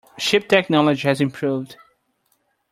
Ship technology has improved.